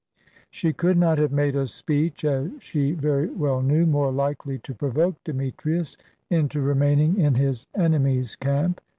She could not have made a speech, as she very well knew, more likely to provoke Demetrius into remaining in his enemy's camp.